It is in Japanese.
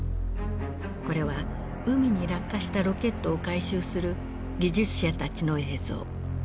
これは海に落下したロケットを回収する技術者たちの映像。